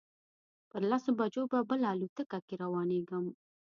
پر لسو بجو به بله الوتکه کې روانېږم.